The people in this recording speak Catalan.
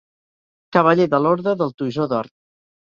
Cavaller de l'Orde del Toisó d'Or.